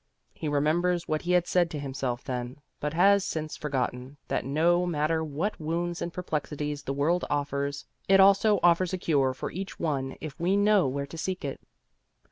He remembers what he had said to himself then, but had since forgotten, that no matter what wounds and perplexities the world offers, it also offers a cure for each one if we know where to seek it.